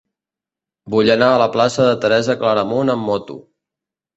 Vull anar a la plaça de Teresa Claramunt amb moto.